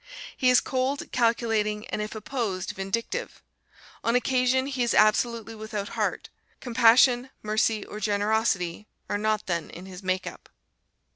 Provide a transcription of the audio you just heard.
He is cold, calculating, and if opposed, vindictive. On occasion he is absolutely without heart: compassion, mercy or generosity are not then in his make up.